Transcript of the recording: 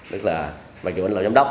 tức là mặc dù anh là giám đốc